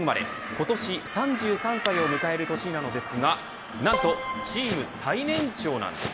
今年３３歳を迎える年なのですがなんとチーム最年長なんです。